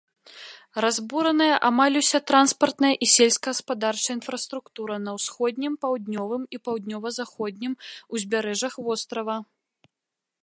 Разбураная амаль уся транспартная і сельскагаспадарчая інфраструктура на ўсходнім, паўднёвым і паўднёва-заходнім узбярэжжах вострава.